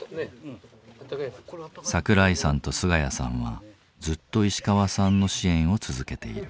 桜井さんと菅家さんはずっと石川さんの支援を続けている。